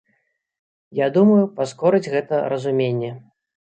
Я думаю, паскорыць гэта разуменне.